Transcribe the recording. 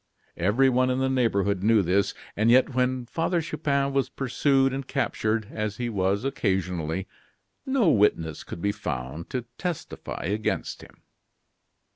Everyone in the neighborhood knew this; and yet when Father Chupin was pursued and captured, as he was occasionally, no witness could be found to testify against him.